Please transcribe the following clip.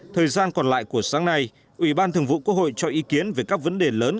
thời gian còn lại của sáng nay ủy ban thường vụ quốc hội cho ý kiến về các vấn đề lớn